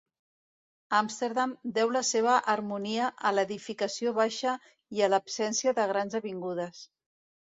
Amsterdam deu la seva harmonia a l'edificació baixa i a l'absència de grans avingudes.